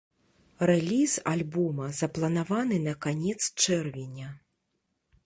Рэліз альбома запланаваны на канец чэрвеня.